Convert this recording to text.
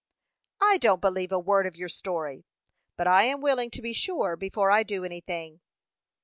"I don't believe a word of your story; but I am willing to be sure before I do anything."